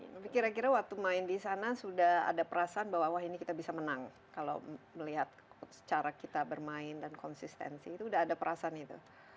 tapi kira kira waktu main di sana sudah ada perasaan bahwa wah ini kita bisa menang kalau melihat cara kita bermain dan konsistensi itu sudah ada perasaan itu